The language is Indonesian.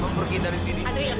kamu pergi dari sini